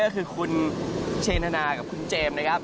ก็คือคุณเชนธนากับคุณเจมส์นะครับ